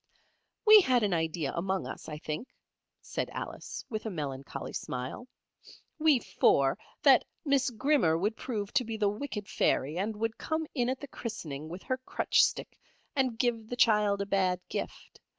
"We had an idea among us, I think," said Alice, with a melancholy smile, "we four, that Miss Grimmer would prove to be the wicked fairy, and would come in at the christening with her crutch stick, and give the child a bad gift?